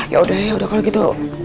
yaudah yaudah kalo gitu